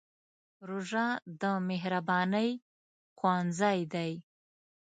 روژه د مهربانۍ ښوونځی دی.